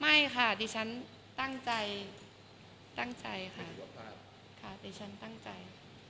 ไม่ค่ะดิฉันตั้งใจตั้งใจค่ะค่ะดิฉันตั้งใจ